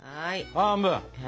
半分。